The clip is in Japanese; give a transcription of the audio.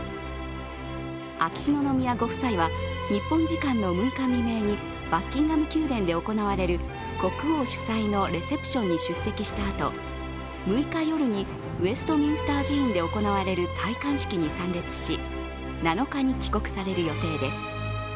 秋篠宮ご夫妻は日本時間の６日未明にバッキンガム宮殿で行われる国王主催のレセプションに出席したあと６日夜にウェストミンスター寺院で行われる戴冠式に参列し７日に帰国される予定です。